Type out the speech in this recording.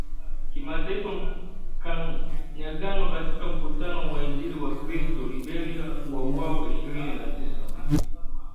KIMATAIFA MKANYAGANO KATIKA MKUTANO WA INJILI WA WAKRISTO LIBERIA WAWAUWA ISHIRINI NA TISA